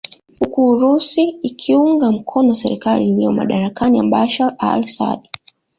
Huku Urusi ikiunga mkono serikali iliyoko madarakani ya Bashar Al Assad